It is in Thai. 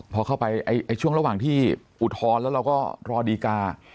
พอเข้าไปช่วงระหว่างที่อุทธรณ์แล้วเราก็รอดีการ์